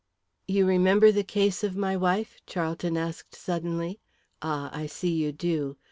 "You remember the case of my wife?" Charlton asked suddenly. "Ah, I see you do.